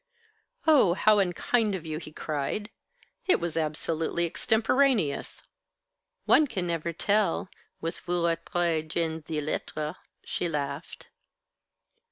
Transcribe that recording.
"Oh, how unkind of you!" he cried. "It was absolutely extemporaneous." "One can never tell, with vous autres gens de lettres," she laughed.